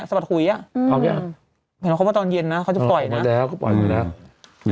สะบัดคุยวันตอนเย็นนะเขาจะป่อยนะไหนมองดูนี่